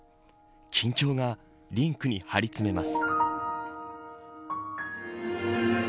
緊張がリンクに張り詰めます。